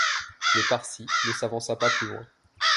Le Parsi ne s’avança pas plus loin.